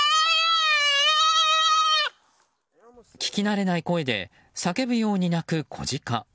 聞きなれない声で叫ぶように鳴く子ジカ。